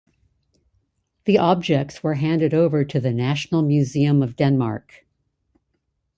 The objects were handed over to the National Museum of Denmark.